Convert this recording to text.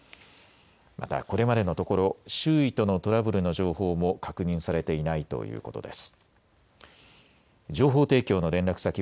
また、これまでのところ周囲とのトラブルの情報も確認されていないということです。